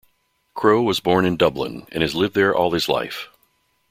Crowe was born in Dublin and has lived there all his life.